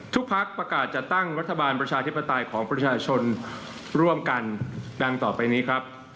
พักประกาศจัดตั้งรัฐบาลประชาธิปไตยของประชาชนร่วมกันดังต่อไปนี้ครับ